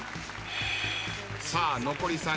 さあ残り３人です。